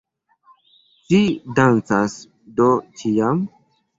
Ci dancas do ĉiam?